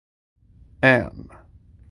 An.